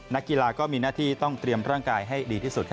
นักกีฬาก็มีหน้าที่ต้องเตรียมร่างกายให้ดีที่สุด